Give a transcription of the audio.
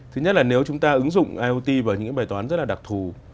thứ nhất là nếu chúng ta ứng dụng iot vào những bài toán rất là đặc thù